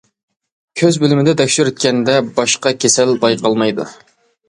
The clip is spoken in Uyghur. كۆز بۆلۈمىدە تەكشۈرتكەندە باشقا كېسەل بايقالمايدۇ.